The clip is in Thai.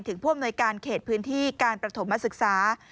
ผู้อำนวยการเขตพื้นที่การประถมศึกษา